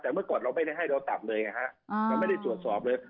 แต่เมื่อก่อนเราไม่ได้ให้เราจับเลยไงฮะเราไม่ได้ตรวจสอบเลย